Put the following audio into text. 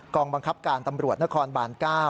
บังคับการตำรวจนครบาน๙